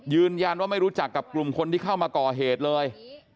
ยืนยันว่าไม่รู้จักกับกลุ่มคนที่เข้ามาก่อเหตุเลย